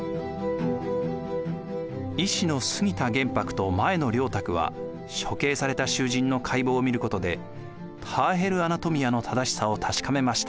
医師の杉田玄白と前野良沢は処刑された囚人の解剖を見ることで「ターヘル・アナトミア」の正しさを確かめました。